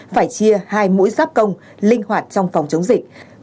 phải chia hai mũi giáp công linh hoạt trong phòng chống dịch